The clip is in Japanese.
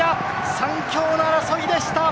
３強の争いでした！